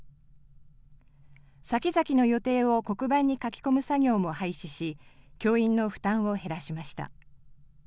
先々の予定を黒板に書き込む作業も廃止し、教員の負担を減らしました。